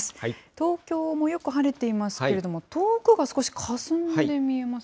東京もよく晴れていますけれども、遠くが少しかすんで見えますね。